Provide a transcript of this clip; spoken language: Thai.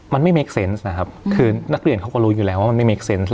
มันไม่เมคเซนต์นะครับคือนักเรียนเขาก็รู้อยู่แล้วว่ามันไม่เค็นต์